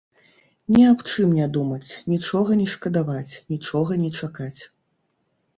Ні аб чым не думаць, нічога не шкадаваць, нічога не чакаць.